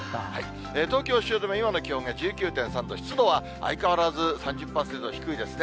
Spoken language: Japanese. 東京・汐留、今の気温が１９．３度、湿度は相変わらず３０％、低いですね。